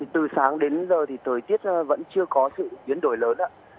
từ sáng đến giờ thì thời tiết vẫn chưa có sự biến đổi lớn ạ